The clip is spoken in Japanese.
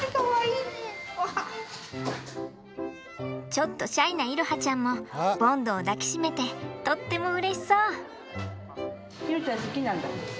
ちょっとシャイな彩羽ちゃんもボンドを抱き締めてとってもうれしそう！